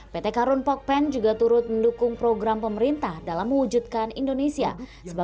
pt karun pokpen juga turut mendukung program pemerintah dalam mewujudkan indonesia